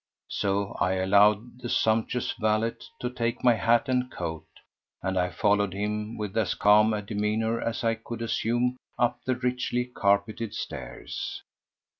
So I allowed the sumptuous valet to take my hat and coat and I followed him with as calm a demeanour as I could assume up the richly carpeted stairs.